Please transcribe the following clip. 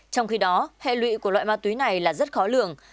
trong khi đó hệ lụy của loại ma túy này là rất khó lường